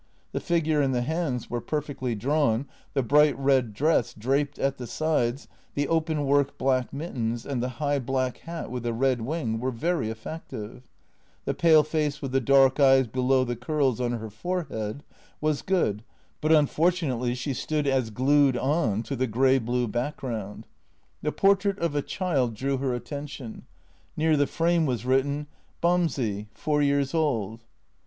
The figure and the hands were perfectly drawn, the bright red dress, draped at the sides, the openwork black mittens, and the high black hat with a red wing were very effective; the pale face with the dark eyes below the curls on her forehead was good, but unfortunately she stood as glued on to the grey blue background. The portrait of a child drew her attention — near the frame was written " Bamsey, four years old."